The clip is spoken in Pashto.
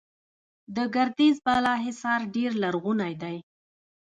د ګردیز بالاحصار ډیر لرغونی دی